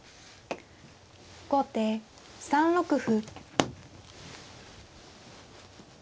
後手３六歩。